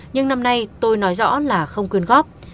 nhưng năm nay tôi nói rõ là không quyên góp